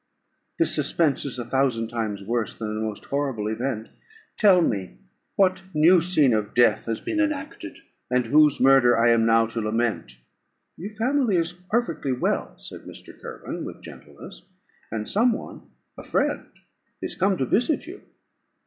"This suspense is a thousand times worse than the most horrible event: tell me what new scene of death has been acted, and whose murder I am now to lament?" "Your family is perfectly well," said Mr. Kirwin, with gentleness; "and some one, a friend, is come to visit you."